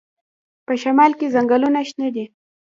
په شمال کې ځنګلونه شنه دي.